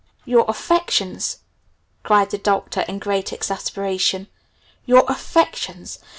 "Your affections?" cried the Doctor in great exasperation. "Your affections?